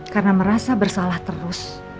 karena merasa bersalah terus